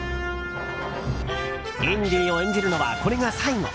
インディを演じるのはこれが最後。